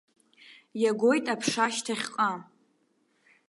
Иагоит аԥша шьҭахьҟа!